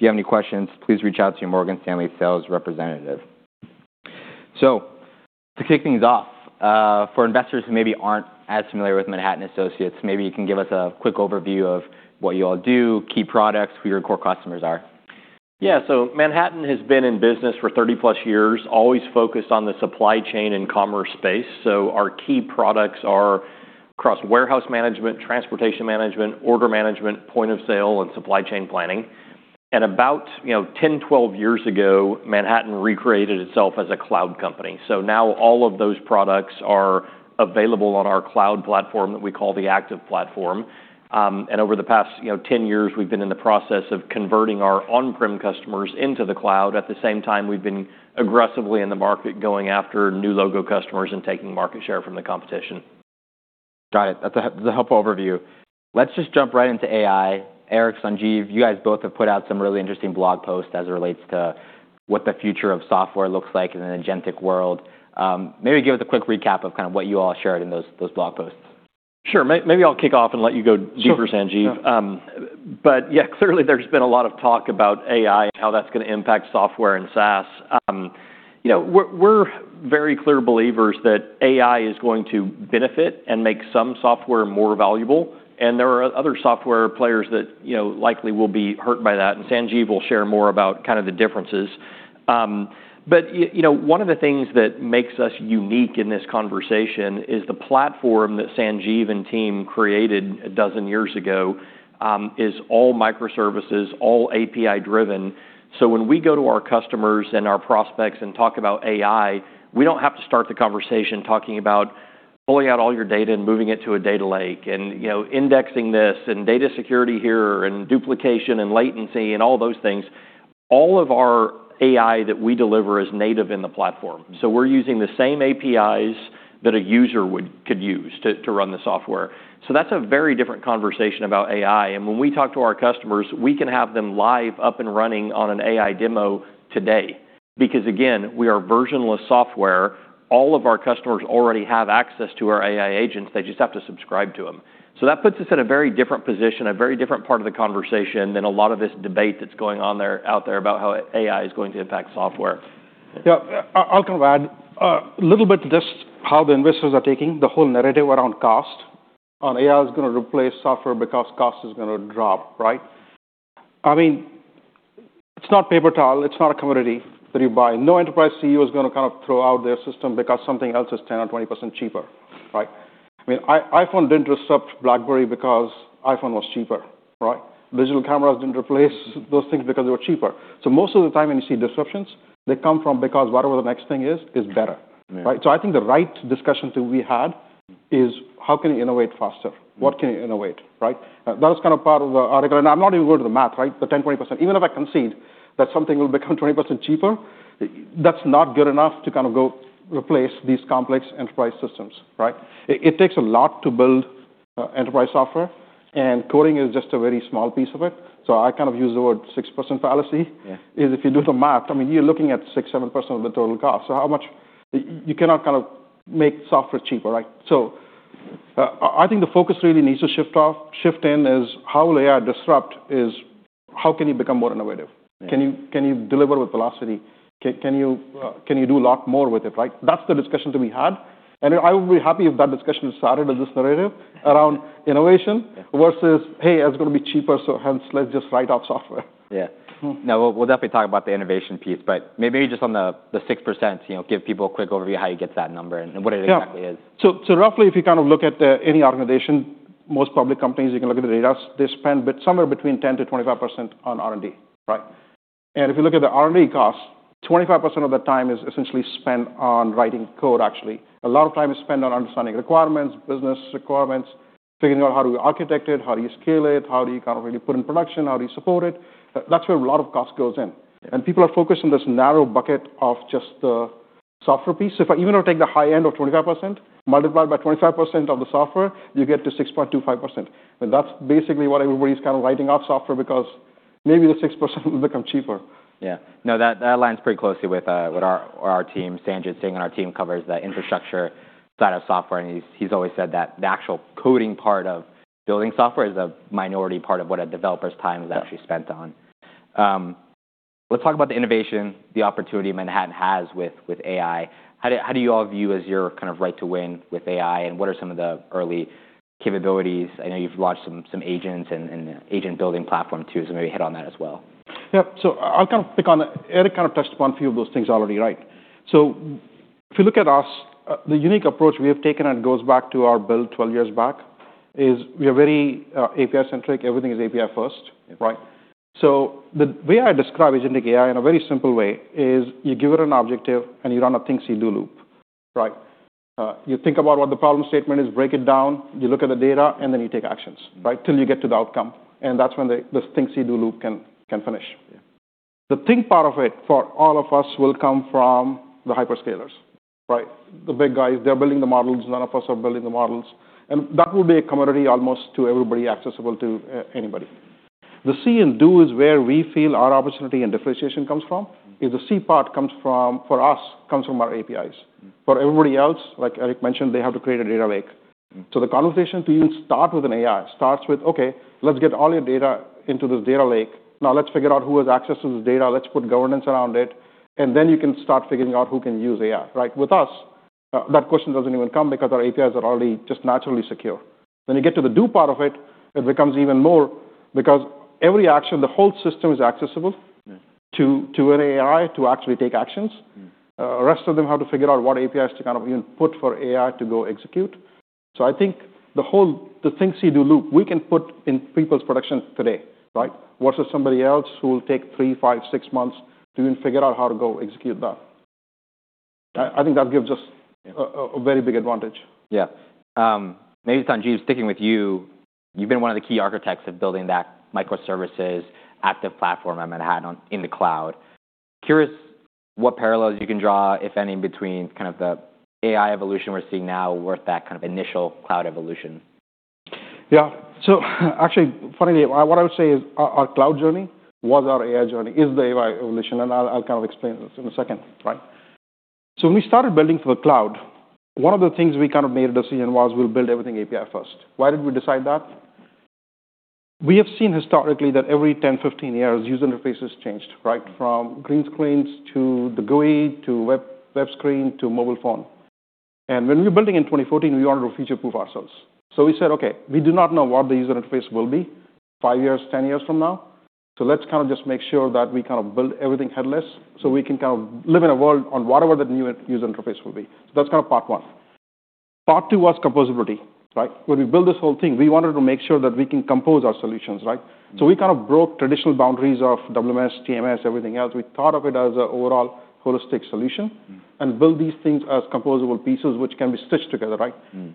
If you have any questions, please reach out to your Morgan Stanley sales representative. To kick things off, for investors who maybe aren't as familiar with Manhattan Associates, maybe you can give us a quick overview of what you all do, key products, who your core customers are. Yeah. Manhattan has been in business for 30+ years, always focused on the supply chain and commerce space. Our key products are across Warehouse Management, Transportation Management, Order Management, Point of Sale, and Supply Chain Planning. About, you know, 10, 12 years ago, Manhattan recreated itself as a cloud company. Now all of those products are available on our cloud platform that we call the Active Platform. Over the past, you know, 10 years, we've been in the process of converting our on-prem customers into the cloud. At the same time, we've been aggressively in the market going after new logo customers and taking market share from the competition. Got it. That's a, that's a helpful overview. Let's just jump right into AI. Eric, Sanjeev, you guys both have put out some really interesting blog posts as it relates to what the future of software looks like in an agentic world. Maybe give us a quick recap of kind of what you all shared in those blog posts? Sure. Maybe I'll kick off and let you go deeper, Sanjeev. Sure. Yeah. Yeah, clearly there's been a lot of talk about AI and how that's gonna impact software and SaaS. You know, we're very clear believers that AI is going to benefit and make some software more valuable, and there are other software players that, you know, likely will be hurt by that. Sanjeev will share more about kind of the differences. You know, one of the things that makes us unique in this conversation is the platform that Sanjeev and team created 12 years ago, is all microservices, all API-driven. When we go to our customers and our prospects and talk about AI, we don't have to start the conversation talking about pulling out all your data and moving it to a data lake and, you know, indexing this and data security here and duplication and latency and all those things. All of our AI that we deliver is native in the platform. We're using the same APIs that a user could use to run the software. That's a very different conversation about AI. When we talk to our customers, we can have them live, up and running on an AI demo today because, again, we are version-less software. All of our customers already have access to our AI agents. They just have to subscribe to them. That puts us in a very different position, a very different part of the conversation than a lot of this debate that's going on out there about how AI is going to impact software. Yeah. I'll kind of add a little bit to this, how the investors are taking the whole narrative around cost on AI is gonna replace software because cost is gonna drop, right? I mean, it's not paper towel, it's not a commodity that you buy. No enterprise CEO is gonna kind of throw out their system because something else is 10% or 20% cheaper, right? I mean, iPhone didn't disrupt BlackBerry because iPhone was cheaper, right? Digital cameras didn't replace those things because they were cheaper. Most of the time when you see disruptions, they come from because whatever the next thing is better, right? Yeah. I think the right discussion to be had is how can you innovate faster? What can you innovate, right? That is kind of part of the article. I'm not even going to the math, right? The 10%, 20%. Even if I concede that something will become 20% cheaper, that's not good enough to kind of go replace these complex enterprise systems, right? It takes a lot to build enterprise software, and coding is just a very small piece of it. I kind of use the word base rate fallacy. Yeah. If you do the math, I mean, you're looking at 6%, 7% of the total cost. You cannot kind of make software cheaper, right? I think the focus really needs to shift in is how will AI disrupt is how can you become more innovative. Yeah. Can you deliver with velocity? Can you do a lot more with it, right? That's the discussion to be had. I will be happy if that discussion started with this narrative around innovation- Yeah. versus, "Hey, it's gonna be cheaper, so hence let's just write out software." Yeah. No, we'll definitely talk about the innovation piece, but maybe just on the 6%, you know, give people a quick overview how you get to that number and what it exactly is. Yeah. Roughly, if you kind of look at any organization, most public companies, you can look at the data, they spend somewhere between 10%-25% on R&D, right? If you look at the R&D costs, 25% of the time is essentially spent on writing code, actually. A lot of time is spent on understanding requirements, business requirements, figuring out how do we architect it, how do you scale it, how do you kind of really put in production, how do you support it. That's where a lot of cost goes in. People are focused on this narrow bucket of just the software piece. If I even take the high end of 25%, multiply by 25% of the software, you get to 6.25%. That's basically what everybody's kind of writing off software because maybe the 6% will become cheaper. Yeah. No, that aligns pretty closely with what our team, Sanjeev's saying. Our team covers the infrastructure side of software, and he's always said that the actual coding part of building software is a minority part of what a developer's time is actually spent on. Let's talk about the innovation, the opportunity Manhattan has with AI. How do you all view as your kind of right to win with AI, and what are some of the early capabilities? I know you've launched some agents and agent-building platform too, so maybe hit on that as well. Yeah. I'll kind of pick on the Eric kind of touched upon a few of those things already, right? If you look at us, the unique approach we have taken, and it goes back to our build 12 years back, is we are very API-centric. Everything is API first, right? The way I describe agentic AI in a very simple way is you give it an objective and you run a OODA loop, right? You think about what the problem statement is, break it down, you look at the data, and then you take actions, right? Till you get to the outcome, and that's when the, this OODA loop can finish. Yeah. The think part of it for all of us will come from the hyperscalers, right? The big guys. They're building the models. None of us are building the models. That will be a commodity almost to everybody, accessible to anybody. The see and do is where we feel our opportunity and differentiation comes from, is the see part comes from, for us, comes from our APIs. Mm-hmm. For everybody else, like Eric mentioned, they have to create a data lake. The conversation to even start with an AI starts with, okay, let's get all your data into this data lake. Let's figure out who has access to this data. Let's put governance around it, then you can start figuring out who can use AI, right? With us, that question doesn't even come because our APIs are already just naturally secure. When you get to the do part of it becomes even more because every action, the whole system is accessible- Mm. to an AI to actually take actions. Mm. Rest of them have to figure out what APIs to kind of even put for AI to go execute. I think the things you do loop, we can put in people's production today, right? Versus somebody else who will take three, five, six months to even figure out how to go execute that. I think that gives us a very big advantage. Yeah. maybe Sanjeev, sticking with you've been one of the key architects of building that microservices active platform in the cloud. Curious what parallels you can draw, if any, between kind of the AI evolution we're seeing now with that kind of initial cloud evolution? Yeah. Actually, funnily, what I would say is our cloud journey was our AI journey. Is the AI evolution, and I'll kind of explain this in a second, right? When we started building for the cloud, one of the things we kind of made a decision was we'll build everything API first. Why did we decide that? We have seen historically that every 10, 15 years, user interface has changed, right? From green screens to the GUI to web screen to mobile phone. When we were building in 2014, we wanted to future-proof ourselves. We said, "Okay, we do not know what the user interface will be five years, 10 years from now, so let's kind of just make sure that we kind of build everything headless so we can kind of live in a world on whatever the new user interface will be." That's kind of part one. Part two was composability, right? When we build this whole thing, we wanted to make sure that we can compose our solutions, right? We kind of broke traditional boundaries of WMS, TMS, everything else. We thought of it as an overall holistic solution. Mm. Build these things as composable pieces which can be stitched together, right? Mm.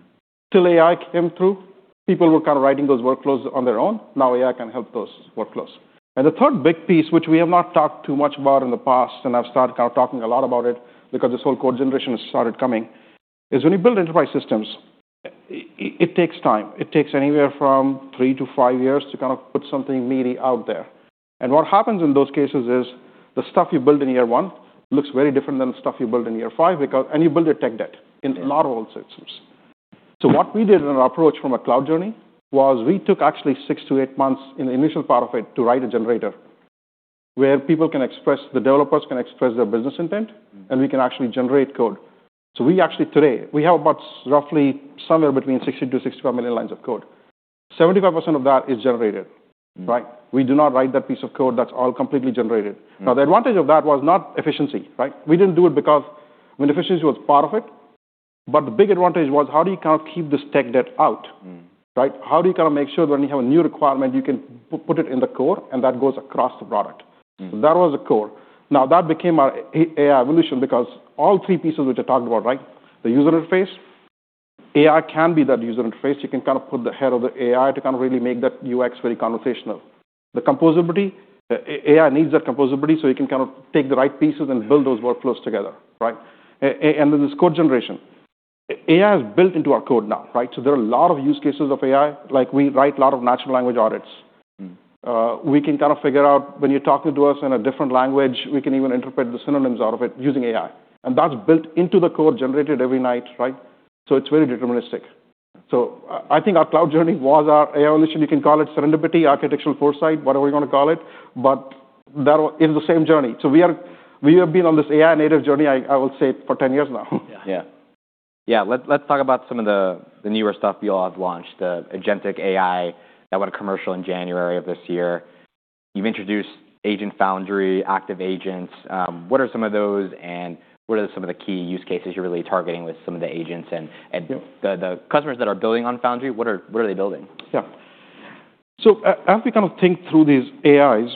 Till AI came through, people were kind of writing those workflows on their own. Now AI can help those workflows. The third big piece, which we have not talked too much about in the past, and I've started kind of talking a lot about it because this whole code generation has started coming, is when you build enterprise systems, it takes time. It takes anywhere from 3-5 years to kind of put something meaty out there. What happens in those cases is the stuff you build in year one looks very different than the stuff you build in year five and you build a tech debt. Yeah. a lot of old systems. What we did in our approach from a cloud journey was we took actually 6-8 months in the initial part of it to write a generator where people can express their business intent. Mm. We can actually generate code. We actually today, we have about roughly somewhere between 60 million-65 million lines of code. 75% of that is generated. Mm. Right? We do not write that piece of code. That's all completely generated. Mm. The advantage of that was not efficiency, right? We didn't do it. I mean, efficiency was part of it, but the big advantage was how do you kind of keep this tech debt out? Mm. Right? How do you kind of make sure when you have a new requirement, you can put it in the code and that goes across the product? Mm. That was the core. That became our AI evolution because all three pieces which I talked about, right? The user interface, AI can be that user interface. You can kind of put the head of the AI to kind of really make that UX very conversational. The composability, AI needs that composability, so you can kind of take the right pieces and build those workflows together, right? Then this code generation. AI is built into our code now, right? There are a lot of use cases of AI, like we write a lot of natural language audits. Mm. We can kind of figure out when you're talking to us in a different language, we can even interpret the synonyms out of it using AI. That's built into the code generated every night, right? It's very deterministic. I think our cloud journey was our AI evolution. You can call it serendipity, architectural foresight, whatever you wanna call it, but that is the same journey. We have been on this AI-native journey, I would say for 10 years now. Yeah. Yeah. Let's talk about some of the newer stuff you all have launched. The agentic AI that went commercial in January of this year. You've introduced Agent Foundry, active agents. What are some of those, and what are some of the key use cases you're really targeting with some of the agents and? Yeah. The customers that are building on Foundry, what are they building? As we kind of think through these AIs,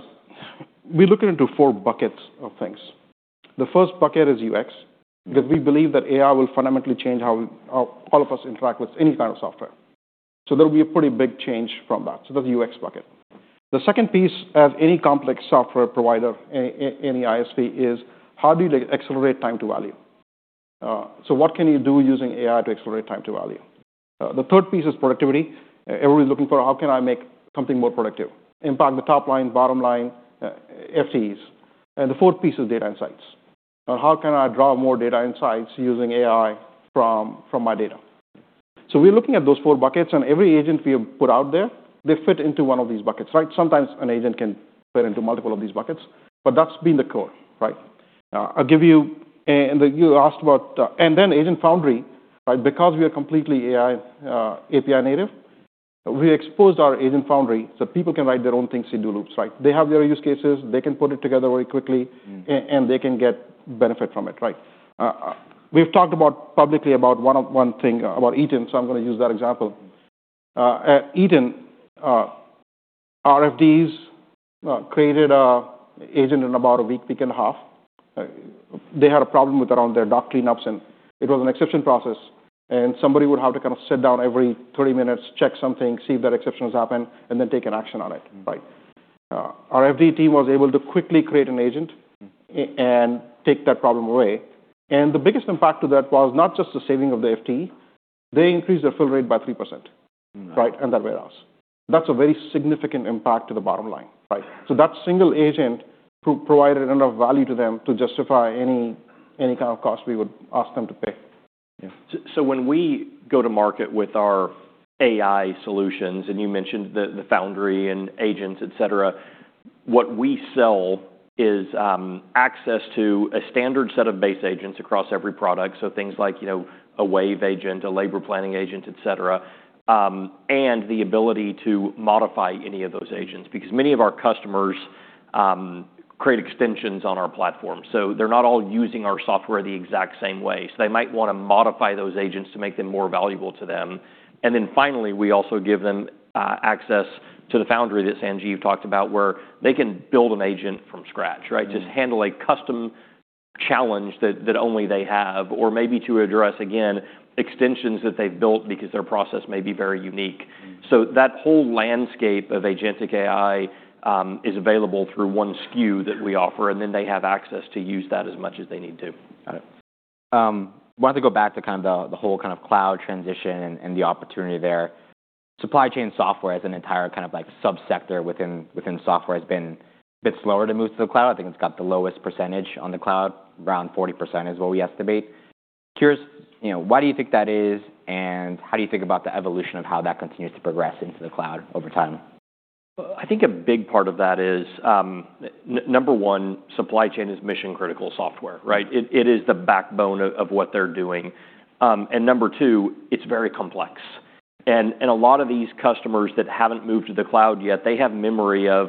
we look into four buckets of things. The first bucket is UX, because we believe that AI will fundamentally change how all of us interact with any kind of software. There'll be a pretty big change from that. That's UX bucket. The second piece, as any complex software provider, any ISV, is how do you accelerate time to value? What can you do using AI to accelerate time to value? The third piece is productivity. Everybody's looking for how can I make something more productive? Impact the top line, bottom line, FTEs. The fourth piece is data insights. How can I draw more data insights using AI from my data? We're looking at those four buckets. Every agent we have put out there, they fit into one of these buckets, right? Sometimes an agent can fit into multiple of these buckets. That's been the core, right? You asked about Agent Foundry, right? We are completely AI, API native. We exposed our Agent Foundry so people can write their own [think-see-do loops, right? They have their use cases, they can put it together very quickly. Mm. They can get benefit from it, right? We've talked publicly about one thing about Eaton, I'm gonna use that example. At Eaton, RFDs created a agent in about a week and a half. They had a problem with around their dock cleanups. It was an exception process, somebody would have to kind of sit down every 30 minutes, check something, see if that exception has happened, take an action on it. Mm. Right. our F.D. team was able to quickly create an agent- Mm. take that problem away. The biggest impact to that was not just the saving of the FTE. They increased their fill rate by 3%. Mm. Right? In that warehouse. That's a very significant impact to the bottom line, right? That single agent provided enough value to them to justify any kind of cost we would ask them to pay. Yeah. When we go to market with our AI solutions, and you mentioned the Foundry and agents, et cetera, what we sell is access to a standard set of base agents across every product. Things like, you know, a Wave Agent, a Labor Planning Agent, et cetera, and the ability to modify any of those agents. Because many of our customers create extensions on our platform, so they're not all using our software the exact same way. They might wanna modify those agents to make them more valuable to them. Finally, we also give them access to the Foundry that Sanjeev talked about, where they can build an agent from scratch, right? Mm-hmm. Just handle a custom challenge that only they have, or maybe to address, again, extensions that they've built because their process may be very unique. Mm-hmm. That whole landscape of agentic AI, is available through one SKU that we offer, and then they have access to use that as much as they need to. Got it. wanted to go back to the whole cloud transition and the opportunity there. Supply chain software as an entire sub-sector within software has been a bit slower to move to the cloud. I think it's got the lowest percentage on the cloud, around 40% is what we estimate. Curious, you know, why do you think that is, and how do you think about the evolution of how that continues to progress into the cloud over time? I think a big part of that is, number one, supply chain is mission-critical software, right? It is the backbone of what they're doing. Number two, it's very complex. A lot of these customers that haven't moved to the cloud yet, they have memory of,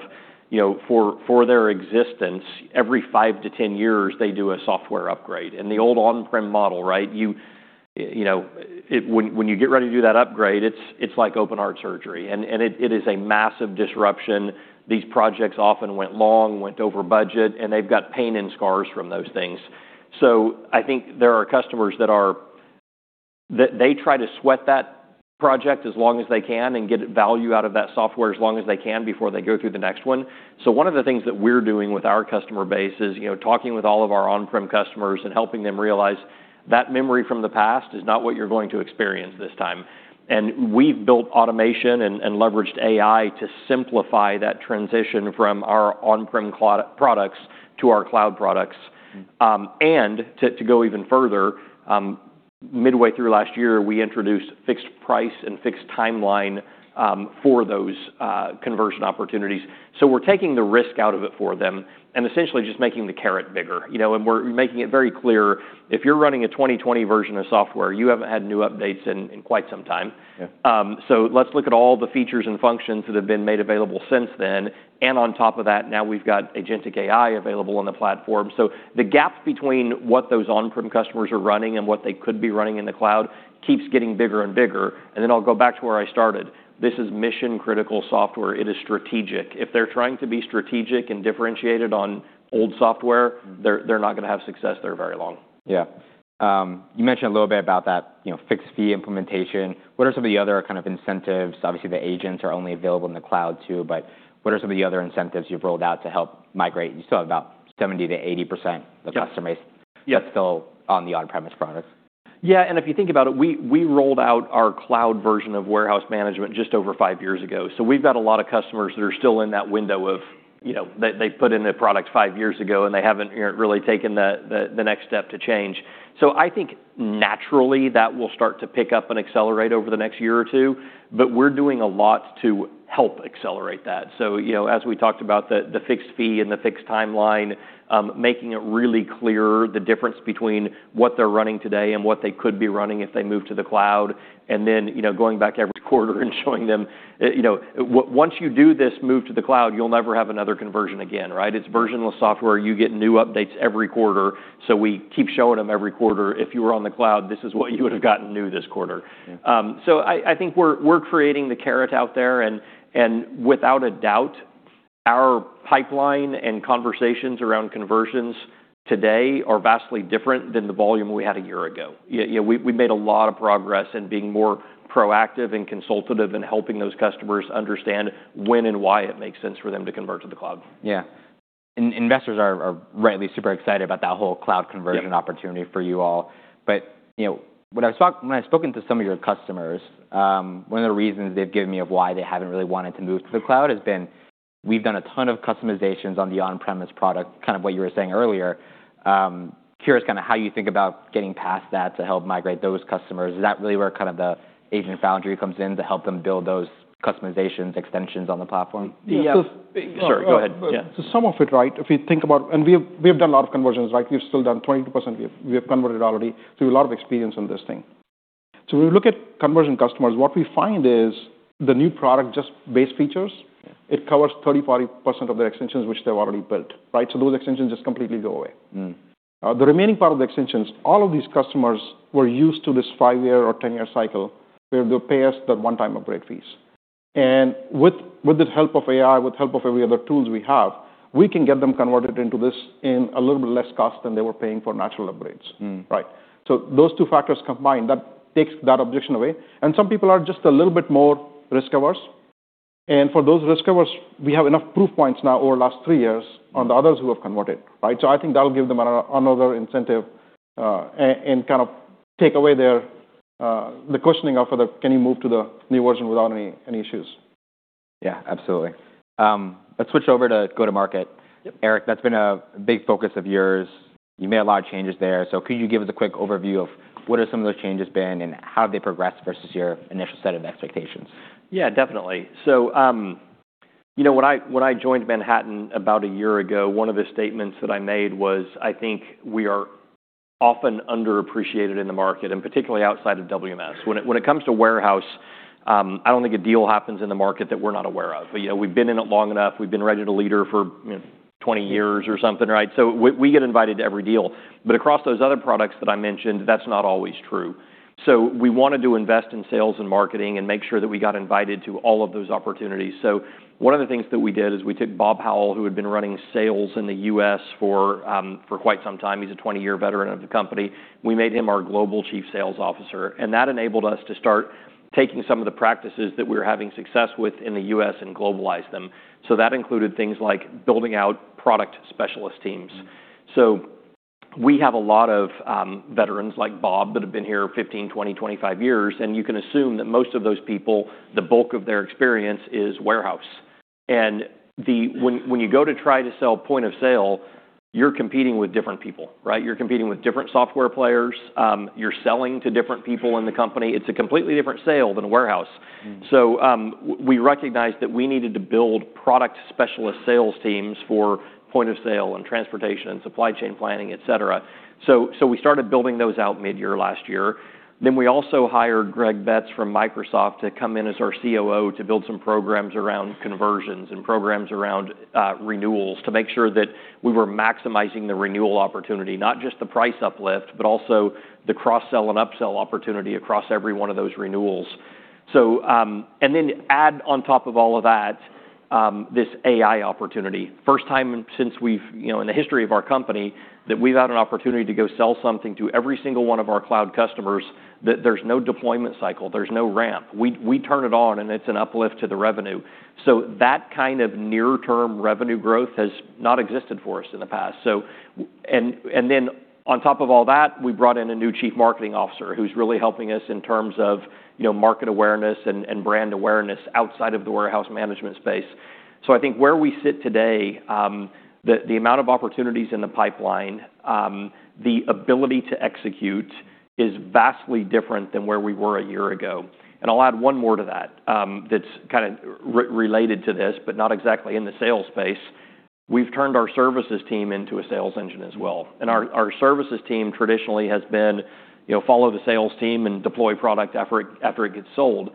you know, for their existence, every 5-10 years, they do a software upgrade. In the old on-prem model, right, you know, when you get ready to do that upgrade, it's like open heart surgery, and it is a massive disruption. These projects often went long, went over budget, and they've got pain and scars from those things. I think there are customers that are... They try to sweat that project as long as they can and get value out of that software as long as they can before they go through the next one. One of the things that we're doing with our customer base is, you know, talking with all of our on-prem customers and helping them realize that memory from the past is not what you're going to experience this time. We've built automation and leveraged AI to simplify that transition from our on-prem cloud products to our cloud products. And to go even further, midway through last year, we introduced fixed price and fixed timeline for those conversion opportunities. We're taking the risk out of it for them and essentially just making the carrot bigger, you know? We're making it very clear, if you're running a 2020 version of software, you haven't had new updates in quite some time. Yeah. Let's look at all the features and functions that have been made available since then, and on top of that, now we've got agentic AI available on the platform. The gap between what those on-prem customers are running and what they could be running in the cloud keeps getting bigger and bigger. I'll go back to where I started. This is mission-critical software. It is strategic. If they're trying to be strategic and differentiated on old software- Mm. they're not gonna have success there very long. Yeah. You mentioned a little bit about that, you know, fixed fee implementation. What are some of the other kind of incentives? Obviously, the agents are only available in the cloud too, what are some of the other incentives you've rolled out to help migrate? You still have about 70%-80%- Yeah. -of customers- Yeah. that's still on the on-premise products. If you think about it, we rolled out our cloud version of warehouse management just over five years ago. We've got a lot of customers that are still in that window of, you know, they put in a product five years ago, and they haven't, you know, really taken the next step to change. I think naturally, that will start to pick up and accelerate over the next year or two, but we're doing a lot to help accelerate that. You know, as we talked about the fixed fee and the fixed timeline, making it really clear the difference between what they're running today and what they could be running if they move to the cloud, and then, you know, going back every quarter and showing them you know, once you do this move to the cloud, you'll never have another conversion again, right? It's version-less software. You get new updates every quarter, so we keep showing them every quarter, "If you were on the cloud, this is what you would have gotten new this quarter. Yeah. I think we're creating the carrot out there, and without a doubt, our pipeline and conversations around conversions today are vastly different than the volume we had a year ago. We made a lot of progress in being more proactive and consultative in helping those customers understand when and why it makes sense for them to convert to the cloud. Yeah. Investors are rightly super excited about that whole cloud conversion- Yeah. opportunity for you all. You know, when I've spoken to some of your customers, one of the reasons they've given me of why they haven't really wanted to move to the cloud has been, we've done a ton of customizations on the on-premise product, kind of what you were saying earlier. Curious kinda how you think about getting past that to help migrate those customers. Is that really where kind of the Agent Foundry comes in to help them build those customizations, extensions on the platform? Yeah. So- Sorry, go ahead. Yeah. Some of it, right, if you think about. We've done a lot of conversions, right? We've still done 20%, we've converted already, so a lot of experience on this thing. When we look at conversion customers, what we find is the new product, just base features. Yeah. it covers 30, 40% of the extensions which they've already built, right? Those extensions just completely go away. Mm. The remaining part of the extensions, all of these customers were used to this 5-year or 10-year cycle where they'll pay us the 1-time upgrade fees. With the help of AI, with help of every other tools we have, we can get them converted into this in a little bit less cost than they were paying for natural upgrades. Mm. Right. Those two factors combined, that takes that objection away. Some people are just a little bit more risk-averse. For those risk-averse, we have enough proof points now over the last three years on the others who have converted, right? I think that'll give them another incentive. Take away their, the questioning of, "Can you move to the new version without any issues? Yeah, absolutely. Let's switch over to go-to-market. Yep. Eric, that's been a big focus of yours. You made a lot of changes there. Could you give us a quick overview of what are some of those changes been and how have they progressed versus your initial set of expectations? Yeah, definitely. You know, when I joined Manhattan about a year ago, one of the statements that I made was, I think we are often underappreciated in the market, and particularly outside of WMS. When it comes to warehouse, I don't think a deal happens in the market that we're not aware of. You know, we've been in it long enough. We've been recognized a leader for, you know, 20 years or something, right? We get invited to every deal. Across those other products that I mentioned, that's not always true. We wanted to invest in sales and marketing and make sure that we got invited to all of those opportunities. One of the things that we did is we took Bob Howell, who had been running sales in the U.S. for quite some time. He's a 20-year veteran of the company. We made him our global Chief Sales Officer. That enabled us to start taking some of the practices that we were having success with in the U.S. and globalize them. That included things like building out product specialist teams. We have a lot of veterans like Bob that have been here 15, 20, 25 years, and you can assume that most of those people, the bulk of their experience is warehouse. When you go to try to sell Point of Sale, you're competing with different people, right? You're competing with different software players. You're selling to different people in the company. It's a completely different sale than a warehouse. Mm-hmm. We recognized that we needed to build product specialist sales teams for Point of Sale and transportation and supply chain planning, et cetera. We started building those out mid-year last year. We also hired Greg Betz from Microsoft to come in as our COO to build some programs around conversions and programs around renewals to make sure that we were maximizing the renewal opportunity, not just the price uplift, but also the cross-sell and upsell opportunity across every one of those renewals. Add on top of all of that, this AI opportunity. First time since we've, you know, in the history of our company that we've had an opportunity to go sell something to every single one of our cloud customers that there's no deployment cycle, there's no ramp. We turn it on, and it's an uplift to the revenue. That kind of near-term revenue growth has not existed for us in the past. and then on top of all that, we brought in a new chief marketing officer who's really helping us in terms of, you know, market awareness and brand awareness outside of the warehouse management space. I think where we sit today, the amount of opportunities in the pipeline, the ability to execute is vastly different than where we were a year ago. I'll add one more to that's kind of related to this, but not exactly in the sales space. We've turned our services team into a sales engine as well. Mm-hmm. Our services team traditionally has been, you know, follow the sales team and deploy product after it gets sold.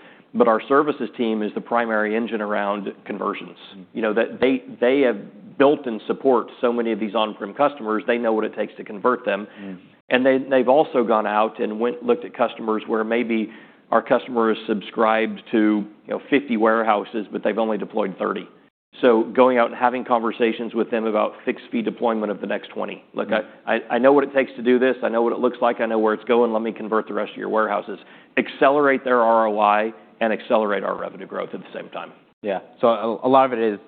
Our services team is the primary engine around conversions. You know, they have built and support so many of these on-prem customers. They know what it takes to convert them. Mm-hmm. They've also gone out and went, looked at customers where maybe our customer is subscribed to, you know, 50 warehouses, but they've only deployed 30. Going out and having conversations with them about fixed fee deployment of the next 20. Mm-hmm. Look, I know what it takes to do this. I know what it looks like. I know where it's going. Let me convert the rest of your warehouses, accelerate their ROI, and accelerate our revenue growth at the same time. Yeah. A lot of it is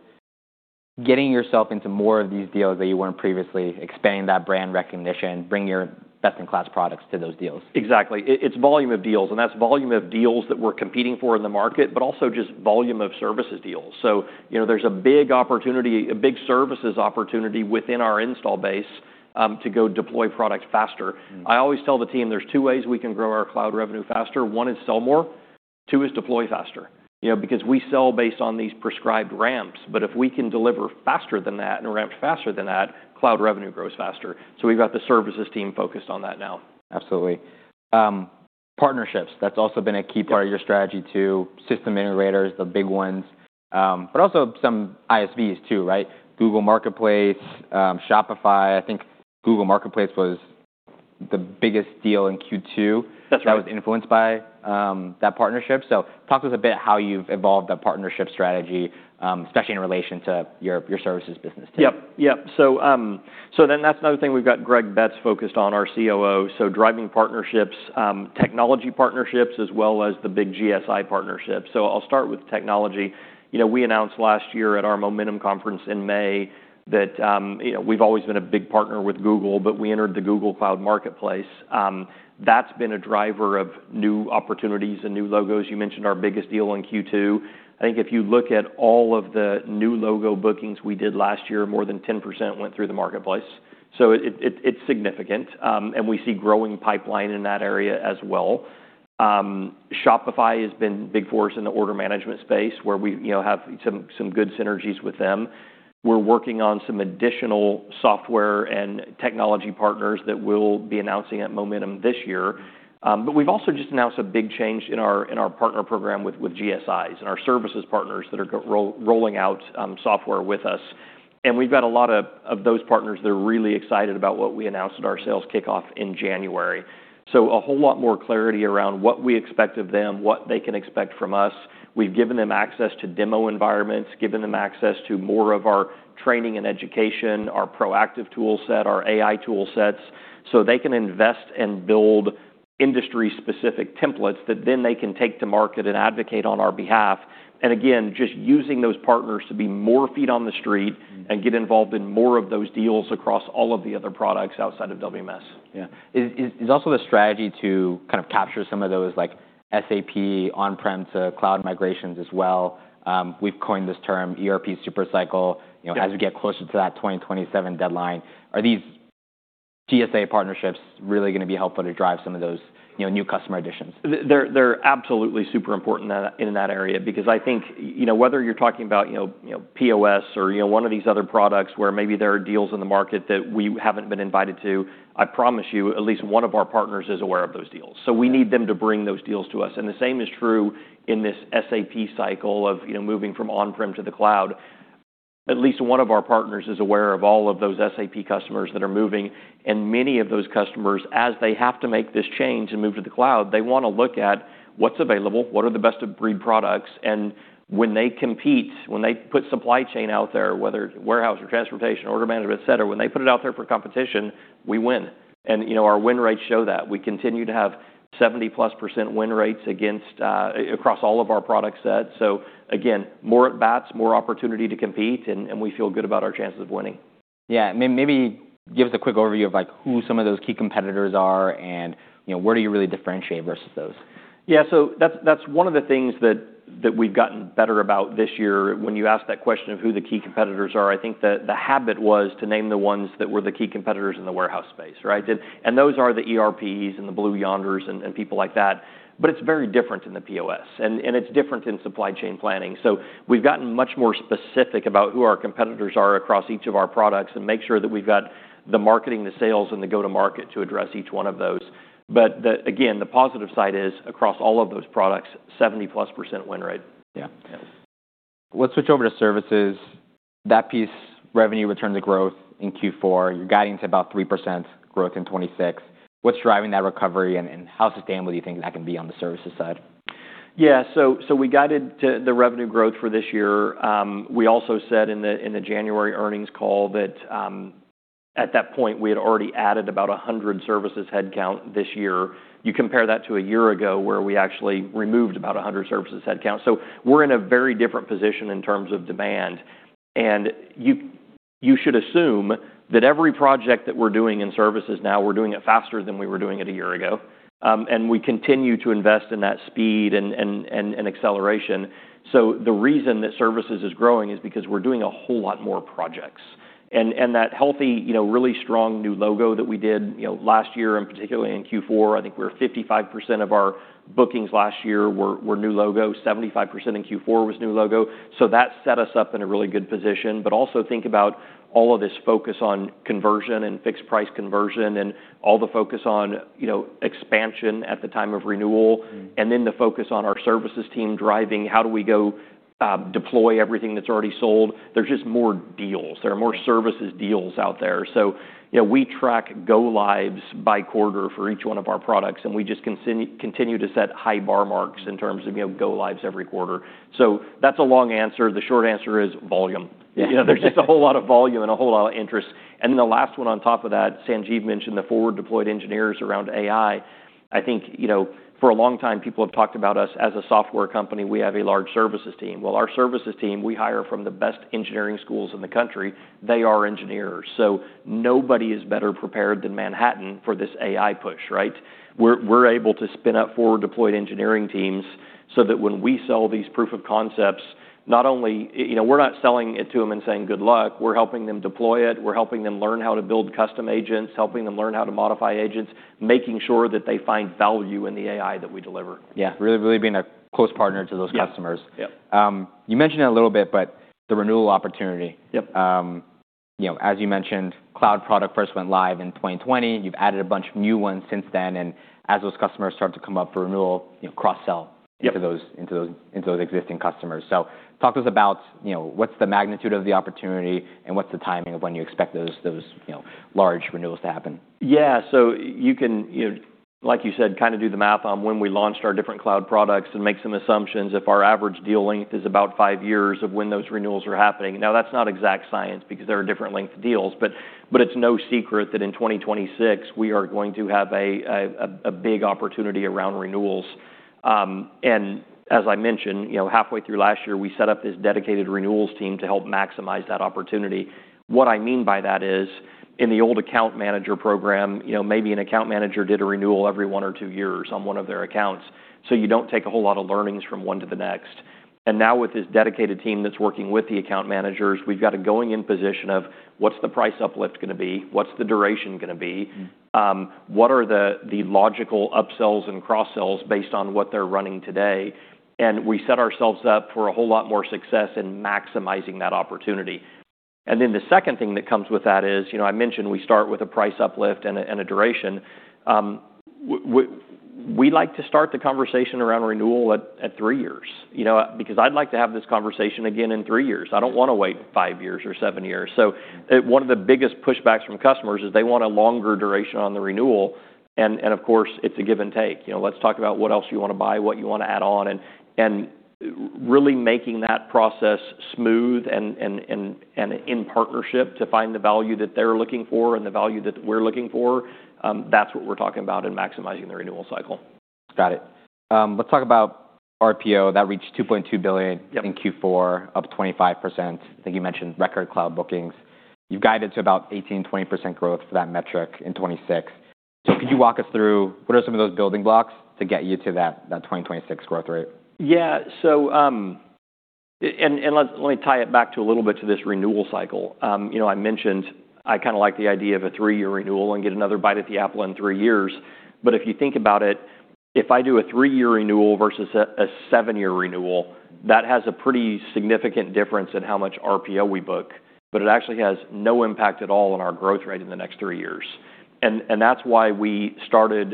getting yourself into more of these deals that you weren't previously, expanding that brand recognition, bringing your best-in-class products to those deals. Exactly. It's volume of deals, that's volume of deals that we're competing for in the market, but also just volume of services deals. You know, there's a big opportunity, a big services opportunity within our install base, to go deploy products faster. Mm-hmm. I always tell the team there's two ways we can grow our cloud revenue faster. One is sell more, two is deploy faster. You know, because we sell based on these prescribed ramps, but if we can deliver faster than that and ramp faster than that, cloud revenue grows faster. We've got the services team focused on that now. Absolutely. Partnerships, that's also been a key part-. Yep... of your strategy too. System integrators, the big ones, but also some ISVs too, right? Google Marketplace, Shopify. I think Google Marketplace was the biggest deal in Q2... That's right.... that was influenced by that partnership. Talk to us a bit how you've evolved that partnership strategy, especially in relation to your services business too. Yep. Yep. That's another thing we've got Greg Betz focused on, our COO, driving partnerships, technology partnerships, as well as the big GSI partnerships. I'll start with technology. You know, we announced last year at our Momentum conference in May that, you know, we've always been a big partner with Google, but we entered the Google Cloud Marketplace. That's been a driver of new opportunities and new logos. You mentioned our biggest deal in Q2. I think if you look at all of the new logo bookings we did last year, more than 10% went through the marketplace. It's significant, and we see growing pipeline in that area as well. Shopify has been big for us in the Order Management space, where we, you know, have some good synergies with them. We're working on some additional software and technology partners that we'll be announcing at Momentum this year. We've also just announced a big change in our, in our partner program with GSIs and our services partners that are rolling out software with us. We've got a lot of those partners that are really excited about what we announced at our sales kickoff in January. A whole lot more clarity around what we expect of them, what they can expect from us. We've given them access to demo environments, given them access to more of our training and education, our proactive tool set, our AI tool sets, so they can invest and build industry-specific templates that then they can take to market and advocate on our behalf. Again, just using those partners to be more feet on the street and get involved in more of those deals across all of the other products outside of WMS. Yeah. Is also the strategy to kind of capture some of those like SAP on-prem to cloud migrations as well? We've coined this term ERP super cycle. Yeah. You know, as we get closer to that 2027 deadline. Are these GSI partnerships really gonna be helpful to drive some of those, you know, new customer additions? They're absolutely super important in that area because I think, you know, whether you're talking about, you know, POS or, you know, one of these other products where maybe there are deals in the market that we haven't been invited to, I promise you at least one of our partners is aware of those deals. Right. We need them to bring those deals to us. The same is true in this SAP cycle of, you know, moving from on-prem to the cloud. At least one of our partners is aware of all of those SAP customers that are moving, and many of those customers, as they have to make this change and move to the cloud, they wanna look at what's available, what are the best of breed products. When they compete, when they put supply chain out there, whether it's warehouse or transportation, Order Management, et cetera, when they put it out there for competition, we win. You know, our win rates show that. We continue to have 70%+ win rates against across all of our product sets. Again, more at bats, more opportunity to compete, and we feel good about our chances of winning. Yeah. Maybe give us a quick overview of like who some of those key competitors are and, you know, where do you really differentiate versus those? Yeah. That's one of the things that we've gotten better about this year. When you ask that question of who the key competitors are, I think the habit was to name the ones that were the key competitors in the warehouse space, right? Those are the ERPs and the Blue Yonder and people like that. It's very different in the POS, and it's different in Supply Chain Planning. We've gotten much more specific about who our competitors are across each of our products and make sure that we've got the marketing, the sales, and the go-to-market to address each one of those. Again, the positive side is across all of those products, 70%+ win rate. Yeah. Let's switch over to services. That piece, revenue return to growth in Q4, you're guiding to about 3% growth in 2026. What's driving that recovery and how sustainable do you think that can be on the services side? Yeah. We guided to the revenue growth for this year. We also said in the January earnings call that, at that point, we had already added about 100 services headcount this year. You compare that to a year ago where we actually removed about 100 services headcount. We're in a very different position in terms of demand. You should assume that every project that we're doing in services now, we're doing it faster than we were doing it a year ago. We continue to invest in that speed and acceleration. The reason that services is growing is because we're doing a whole lot more projects. That healthy, you know, really strong new logo that we did, you know, last year, and particularly in Q4, I think we're 55% of our bookings last year were new logo, 75% in Q4 was new logo. That set us up in a really good position. Also think about all of this focus on conversion and fixed price conversion and all the focus on, you know, expansion at the time of renewal. Mm. The focus on our services team driving how do we go deploy everything that's already sold. There's just more deals. There are more services deals out there. You know, we track go lives by quarter for each one of our products, and we just continue to set high bar marks in terms of, you know, go lives every quarter. That's a long answer. The short answer is volume. Yeah. You know, there's just a whole lot of volume and a whole lot of interest. The last one on top of that, Sanjeev mentioned the forward deployed engineers around AI. I think, you know, for a long time, people have talked about us as a software company. We have a large services team. Well, our services team, we hire from the best engineering schools in the country. They are engineers. Nobody is better prepared than Manhattan for this AI push, right? We're able to spin up forward deployed engineering teams so that when we sell these proof of concepts. You know, we're not selling it to them and saying, "Good luck." We're helping them deploy it. We're helping them learn how to build custom agents, helping them learn how to modify agents, making sure that they find value in the AI that we deliver. Yeah. Really being a close partner to those customers. Yep. Yep. You mentioned it a little bit, the renewal opportunity. Yep. You know, as you mentioned, cloud product first went live in 2020. You've added a bunch of new ones since then, as those customers start to come up for renewal, you know- Yep. into those existing customers. Talk to us about, you know, what's the magnitude of the opportunity and what's the timing of when you expect those, you know, large renewals to happen. You can, you know, like you said, kind of do the math on when we launched our different cloud products and make some assumptions if our average deal length is about five years of when those renewals are happening. That's not exact science because there are different length deals, but it's no secret that in 2026 we are going to have a big opportunity around renewals. As I mentioned, you know, halfway through last year, we set up this dedicated renewals team to help maximize that opportunity. What I mean by that is, in the old account manager program, you know, maybe an account manager did a renewal every 1 or two years on one of their accounts. You don't take a whole lot of learnings from one to the next. Now with this dedicated team that's working with the account managers, we've got a going in position of what's the price uplift gonna be? What's the duration gonna be? Mm. What are the logical upsells and cross-sells based on what they're running today? We set ourselves up for a whole lot more success in maximizing that opportunity. The second thing that comes with that is, you know, I mentioned we start with a price uplift and a duration. We like to start the conversation around renewal at three years, you know, because I'd like to have this conversation again in three years. Mm. I don't wanna wait five years or seven years. One of the biggest pushbacks from customers is they want a longer duration on the renewal. Of course, it's a give and take. You know, let's talk about what else you wanna buy, what you wanna add on, and really making that process smooth and in partnership to find the value that they're looking for and the value that we're looking for. That's what we're talking about in maximizing the renewal cycle. Got it. RPO that reached $2.2 billion. Yep in Q4 up 25%. I think you mentioned record cloud bookings. You've guided to about 18%-20% growth for that metric in 2026. Could you walk us through what are some of those building blocks to get you to that 2026 growth rate? Yeah. And let me tie it back to a little bit to this renewal cycle. You know, I mentioned I kinda like the idea of a three-year renewal and get another bite at the apple in three years. If you think about it, if I do a three-year renewal versus a seven-year renewal, that has a pretty significant difference in how much RPO we book, but it actually has no impact at all on our growth rate in the next three years. That's why we started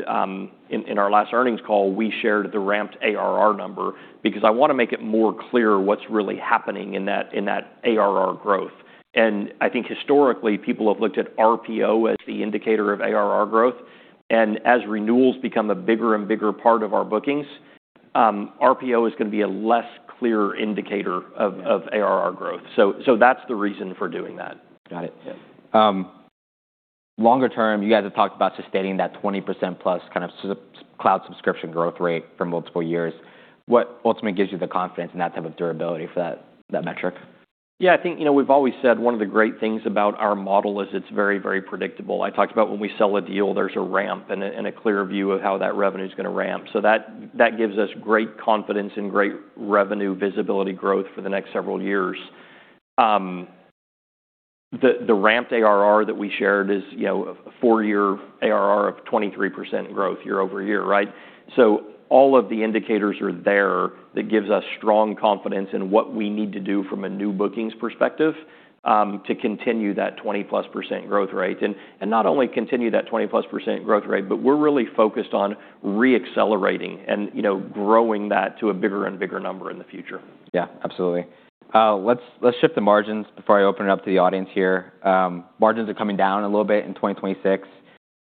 in our last earnings call, we shared the ramped ARR number because I wanna make it more clear what's really happening in that ARR growth. I think historically, people have looked at RPO as the indicator of ARR growth. As renewals become a bigger and bigger part of our bookings, RPO is gonna be a less clear indicator of- Yeah ...of ARR growth. That's the reason for doing that. Got it. Yeah. Longer term, you guys have talked about sustaining that 20%+ kind of sub-cloud subscription growth rate for multiple years. What ultimately gives you the confidence in that type of durability for that metric? Yeah, I think, you know, we've always said one of the great things about our model is it's very, very predictable. I talked about when we sell a deal, there's a ramp and a clear view of how that revenue's gonna ramp. That gives us great confidence and great revenue visibility growth for the next several years. The ramped ARR that we shared is, you know, a four-year ARR of 23% growth year-over-year, right? All of the indicators are there that gives us strong confidence in what we need to do from a new bookings perspective to continue that 20%+ growth rate. Not only continue that 20%+ growth rate, but we're really focused on re-accelerating and, you know, growing that to a bigger and bigger number in the future. Yeah, absolutely. Let's shift to margins before I open it up to the audience here. Margins are coming down a little bit in 2026.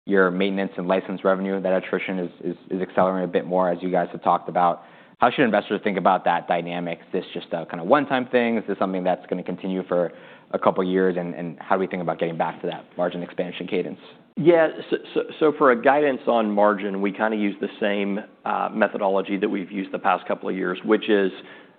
Your maintenance and license revenue, that attrition is accelerating a bit more, as you guys have talked about. How should investors think about that dynamic? Is this just a kinda one-time thing? Is this something that's gonna continue for a couple of years, and how do we think about getting back to that margin expansion cadence? For a guidance on margin, we kinda use the same methodology that we've used the past couple of years, which is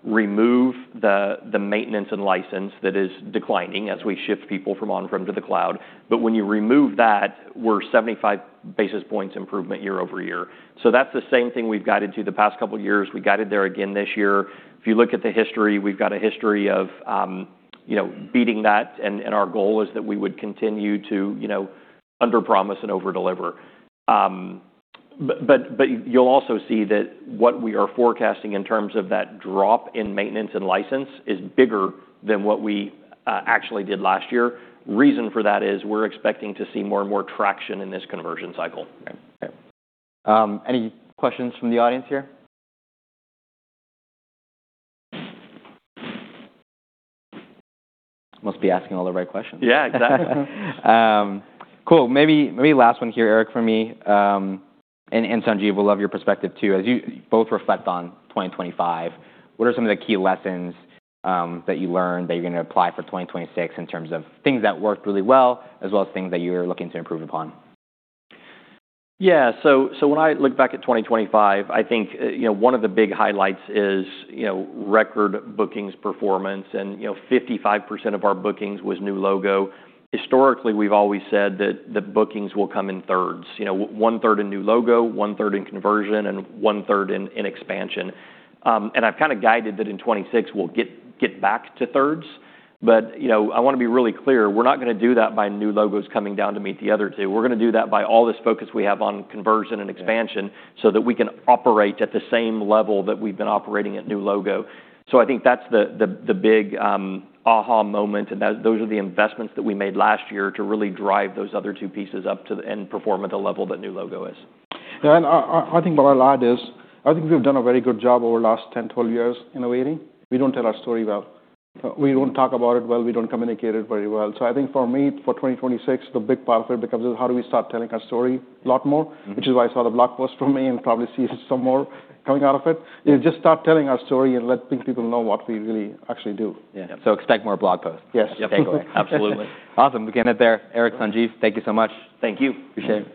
remove the maintenance and license that is declining as we shift people from on-prem to the cloud. When you remove that, we're 75 basis points improvement year-over-year. That's the same thing we've guided to the past couple of years. We guided there again this year. If you look at the history, we've got a history of, you know, beating that, and our goal is that we would continue to, you know, underpromise and overdeliver. You'll also see that what we are forecasting in terms of that drop in maintenance and license is bigger than what we actually did last year. Reason for that is we're expecting to see more and more traction in this conversion cycle. Okay. Any questions from the audience here? Must be asking all the right questions. Yeah, exactly. Cool. Maybe last one here, Eric, from me. Sanjeev, would love your perspective too. As you both reflect on 2025, what are some of the key lessons that you learned that you're gonna apply for 2026 in terms of things that worked really well, as well as things that you're looking to improve upon? Yeah. When I look back at 2025, I think, you know, one of the big highlights is, you know, record bookings performance and, you know, 55% of our bookings was new logo. Historically, we've always said that the bookings will come in thirds. You know, one-third in new logo, one-third in conversion, and one-third in expansion. I've kinda guided that in 2026 we'll get back to thirds. You know, I wanna be really clear, we're not gonna do that by new logos coming down to meet the other two. We're gonna do that by all this focus we have on conversion and expansion- Yeah... so that we can operate at the same level that we've been operating at new logo. I think that's the big aha moment, and those are the investments that we made last year to really drive those other two pieces up to the end perform at the level that new logo is. Yeah. I think what I'll add is, I think we've done a very good job over the last 10, 12 years innovating. We don't tell our story well. We don't talk about it well. We don't communicate it very well. I think for me, for 2026, the big part of it becomes is how do we start telling our story a lot more- Mm-hmm which is why you saw the blog post from me and probably see some more coming out of it. Yeah. Is just start telling our story and letting people know what we really actually do. Yeah. Yeah. Expect more blog posts. Yes. Yep. Absolutely. Awesome. We're gonna end it there. Eric, Sanjeev, thank you so much. Thank you. Appreciate it.